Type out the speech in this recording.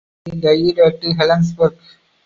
She died at Helensburgh.